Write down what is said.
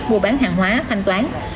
mua bán hàng hóa thanh toán